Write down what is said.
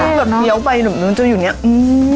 มันก็ก็มีสดเดียวไปไหมมันจะอยู่นี่อื้ม